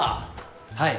はい！